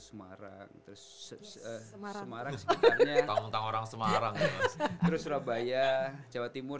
semarang terus semarang sekitarnya tanggung tanggung orang semarang terus surabaya jawa timur